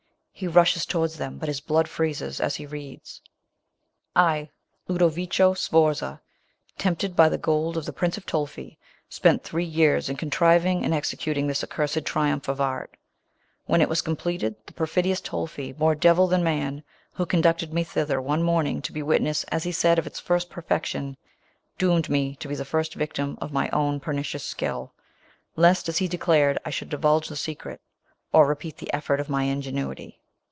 He rushes towards them ; but his blood freezes as he reads :—" I, Ludovico Sforza, tempted by the gold of the Prince of Tolfi, spent three years in contriving and exe cutiug'this accursed triumph of my art. When it Avas completed, the perfidious Tolfi, more devil thai* man, who conducted me hither one room ing, to be Avitness, as he said, of its perfection, doomed me to be the first victim of my OAVU pernicious skill ; lest, as he declared, I should divulge the secret, or repeat the effort of my ingenuity.